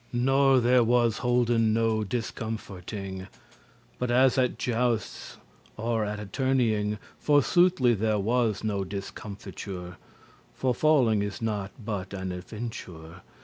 Nor there was holden no discomforting, But as at jousts or at a tourneying; For soothly there was no discomfiture, For falling is not but an aventure*.